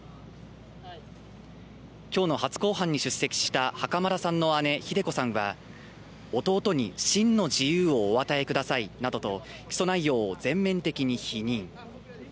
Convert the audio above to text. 今日の初公判に出席した袴田さんの姉・ひで子さんは、弟に真の自由をお与えくださいなどと起訴内容を全面的に否認。